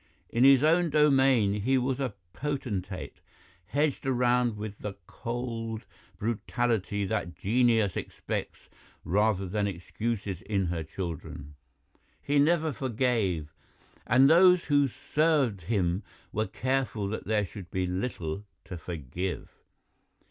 In his own domain he was a potentate, hedged around with the cold brutality that Genius expects rather than excuses in her children; he never forgave, and those who served him were careful that there should be little to forgive.